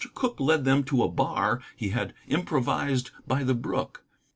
Cooke led them to a bar he had improvised by the brook.